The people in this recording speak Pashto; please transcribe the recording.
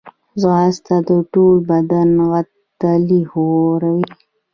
ځغاسته د ټول بدن عضلې ښوروي